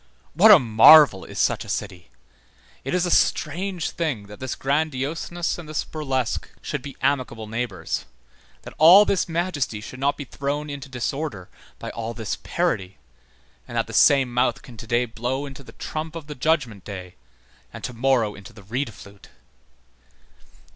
What a marvel is such a city! it is a strange thing that this grandioseness and this burlesque should be amicable neighbors, that all this majesty should not be thrown into disorder by all this parody, and that the same mouth can to day blow into the trump of the Judgment Day, and to morrow into the reed flute!